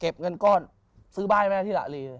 เงินก้อนซื้อบ้านให้แม่ที่หละลี